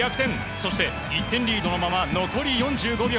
そして、１点リードのまま残り４５秒。